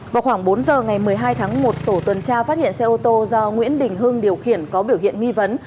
vào khoảng bốn giờ ngày một mươi hai tháng một tổ tuần tra phát hiện xe ô tô do nguyễn đình hưng điều khiển có biểu hiện nghi vấn